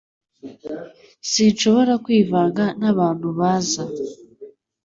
Sinshobora kwivanga nabantu baza